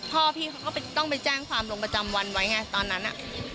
พ่อพี่เขาก็ต้องไปแจ้งความลงประจำวันไว้ไงตอนนั้น